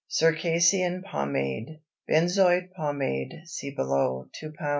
CIRCASSIAN POMADE. Benzoin pomade (see below) 2 lb.